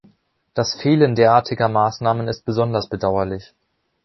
Das Fehlen derartiger Maßnahmen ist besonders bedauerlich.